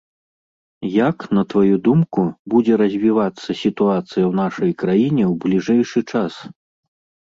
Як, на тваю думку, будзе развівацца сітуацыя ў нашай краіне ў бліжэйшы час?